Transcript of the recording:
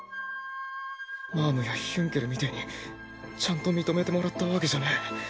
マァムやヒュンケルみてえにちゃんと認めてもらったわけじゃねえ。